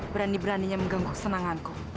berani beraninya mengganggu senanganku